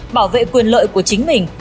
bảo vệ quyền lợi của chính mình